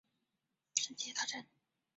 但工程由于第一次世界大战而被延误。